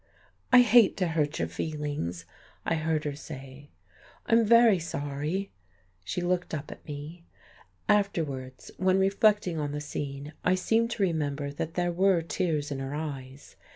"I hate to hurt your feelings," I heard her say. "I'm very sorry."... She looked up at me. Afterwards, when reflecting on the scene, I seemed to remember that there were tears in her eyes.